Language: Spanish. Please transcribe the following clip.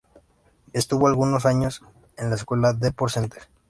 Estuvo algunos años en la escuela Depor Center.